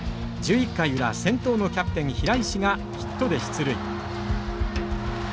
１１回裏先頭のキャプテン平石がヒットで出塁。